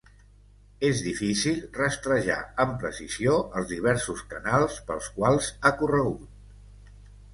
És difícil rastrejar amb precisió els diversos canals pels quals ha corregut.